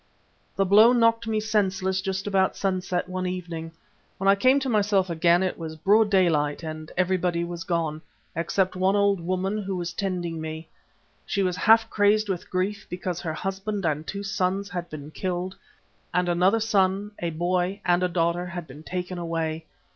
"The blow knocked me senseless just about sunset one evening. When I came to myself again it was broad daylight and everybody was gone, except one old woman who was tending me. She was half crazed with grief because her husband and two sons had been killed, and another son, a boy, and a daughter had been taken away.